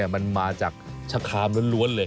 มันมาจากชะคามล้วนเลย